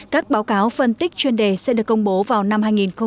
các báo cáo phân tích chuyên đề sẽ được công bố vào năm hai nghìn hai mươi